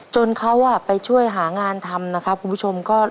จนเขาไปช่วยหางานทำนะครับคุณผู้ชม